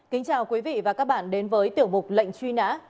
kính chào quý vị và các bạn đến với tiểu mục lệnh truy nã